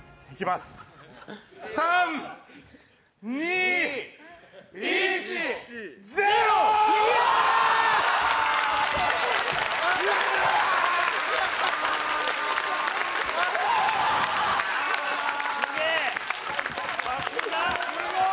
・すごい！